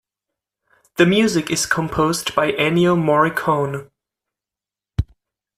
The music is composed by Ennio Morricone.